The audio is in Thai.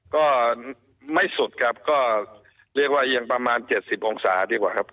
ก็ไม่สุดครับก็เรียกว่าเอียงประมาณเจ็ดสิบองศาดีกว่าครับ